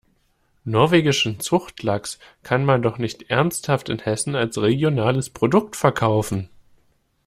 Norwegischen Zuchtlachs kann man doch nicht ernsthaft in Hessen als regionales Produkt verkaufen!